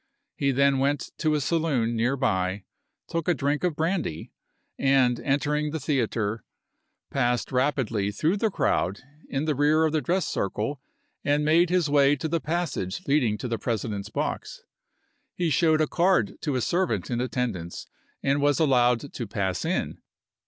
He then went to a saloon near by, took a drink of brandy, and, enter ing the theater, passed rapidly through the crowd in 294 ABRAHAM LINCOLN chap. xiv. rear of the dress circle and made his way to the pas sage leading to the President's box. He showed a ApL u,i865. card to a servant in attendance and was allowed to pass in.